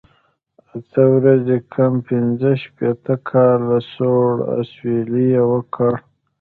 اته ورځې کم پنځه شپېته کاله، سوړ اسویلی یې وکړ.